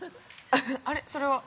◆あれ、それは？